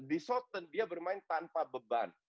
di shortten dia bermain tanpa beban